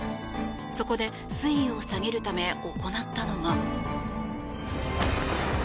そこで水位を下げるため行ったのが。